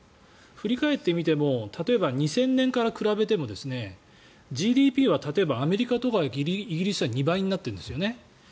振り返ってみても例えば２０００年から比べてもＧＤＰは例えばアメリカやイギリスは２倍になっているんですね。